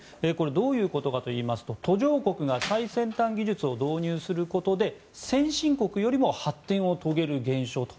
どういうことかといいますと途上国が最先端技術を導入することで、先進国よりも発展を遂げる現象と。